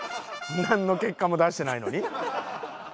なんの結果も出してないのに？